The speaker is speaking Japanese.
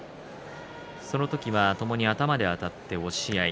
その時は、ともに頭であたって押し合い。